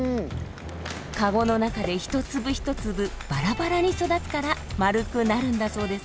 カゴの中で１粒１粒バラバラに育つから丸くなるんだそうですが。